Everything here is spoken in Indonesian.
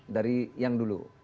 dari yang dulu